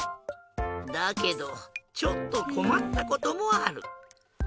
だけどちょっとこまったこともある。